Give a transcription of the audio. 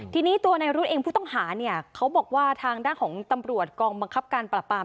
ทีนี้ตัวนายรุธเองผู้ต้องหาเนี่ยเขาบอกว่าทางด้านของตำรวจกองบังคับการปราบปราม